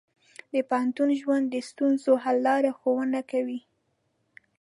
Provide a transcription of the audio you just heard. د پوهنتون ژوند د ستونزو حل لارې ښوونه کوي.